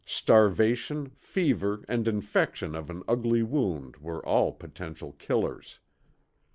Starvation, fever, and infection of an ugly wound were all potential killers.